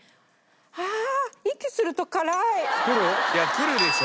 くるでしょ？